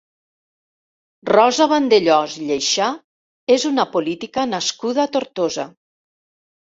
Rosa Vandellós i Lleixa és una política nascuda a Tortosa.